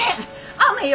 雨よ！